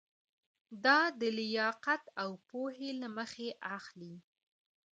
دا د لیاقت او پوهې له مخې اخلي.